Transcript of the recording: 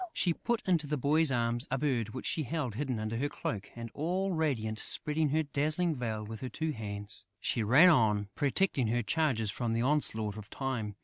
She put into the boy's arms a bird which she held hidden under her cloak and, all radiant, spreading her dazzling veil with her two hands, she ran on, protecting her charges from the onslaught of Time.